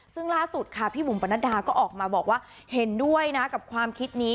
ซึ่งล่าสุดค่ะพี่บุ๋มปนัดดาก็ออกมาบอกว่าเห็นด้วยนะกับความคิดนี้